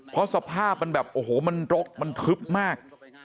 เพราะสภาพมันแบบโอ้โหมันรกมันทึบมาก